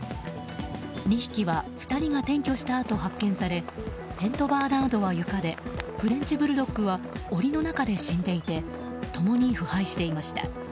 ２匹は２人が転居したあと、発見されセントバーナードは、床でフレンチブルドッグは檻の中で死んでいて共に腐敗していました。